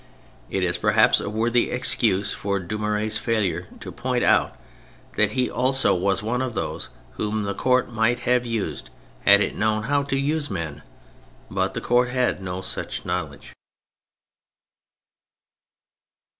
It is perhaps a worthy excuse for Du mouriez' failure to point out that he also was one of those whom the Court might have used had it known how to use men ; but the Court had no such knowledge.